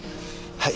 はい。